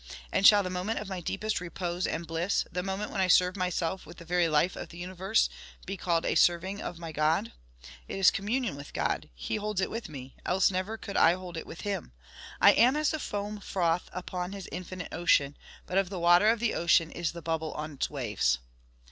And shall the moment of my deepest repose and bliss, the moment when I serve myself with the very life of the universe, be called a serving of my God? It is communion with God; he holds it with me, else never could I hold it with him. I am as the foam froth upon his infinite ocean, but of the water of the ocean is the bubble on its waves."